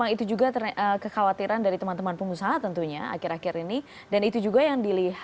subsidi yang banyak dipakai